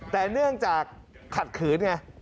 แต่เนื่องจากขัดขืนไง